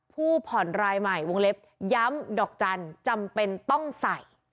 ผู้ผ่อนรายใหม่วงเล็บย้ำดอกจันทร์จำเป็นต้องใส่